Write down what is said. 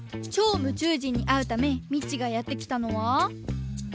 超夢中人に会うためミチがやってきたのは。